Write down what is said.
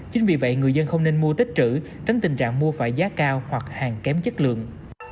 chính vì vậy người dân không nên mua tích trữ tránh tình trạng mua phải giá cao hoặc hàng kém chất lượng